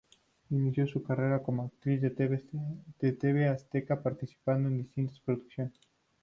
Inició su carrera como actriz en Tv Azteca, participando en distintas producciones.